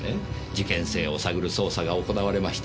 事件性を探る捜査が行われました。